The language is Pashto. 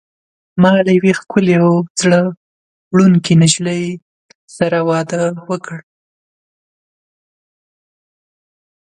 ما له یوې ښکلي او زړه وړونکي نجلۍ سره واده وکړ.